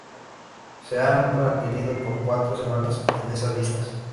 Se ha mantenido por cuatro semanas en esas listas.